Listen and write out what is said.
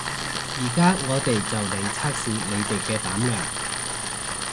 而家我哋就嚟測試你哋嘅膽量